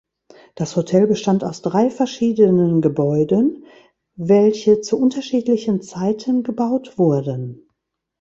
Das Hotel bestand aus drei verschiedenen Gebäuden, welche zu unterschiedlichen Zeiten gebaut wurden.